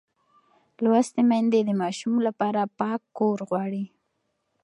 لوستې میندې د ماشوم لپاره پاک کور غواړي.